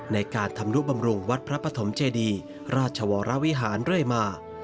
ในการทำนุบำรุงวัดพระปฐมเจดีราชวรวิหารเรื่อยมา